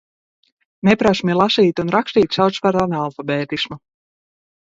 Neprasmi lasīt un rakstīt sauc par analfabētismu.